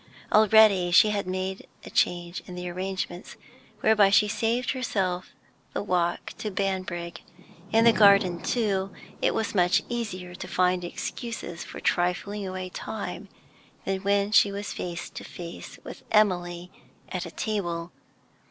Already she had made a change in the arrangements, whereby she saved herself the walk to Banbrigg; in the garden, too, it was much easier to find excuses for trifling away time than when she was face to face with Emily at a table.